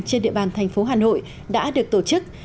trên địa bàn thành phố hà nội đã được tổ chức